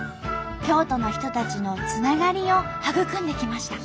京都の人たちのつながりを育んできました。